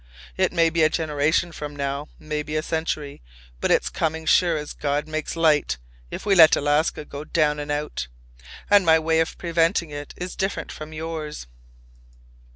It may be a generation from now, maybe a century, but it's coming sure as God makes light—if we let Alaska go down and out. And my way of preventing it is different from yours."